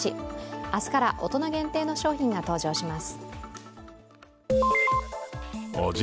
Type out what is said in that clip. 明日から大人限定の商品が登場します。